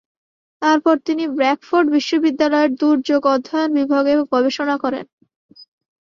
তারপর তিনি ব্র্যাডফোর্ড বিশ্ববিদ্যালয়ের দুর্যোগ অধ্যয়ন বিভাগে গবেষণা করেন।